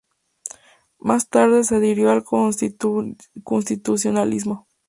Más tarde se adhirió al constitucionalismo.